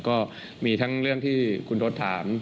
ก็มีทั้งเรื่องที่คุณทศถาม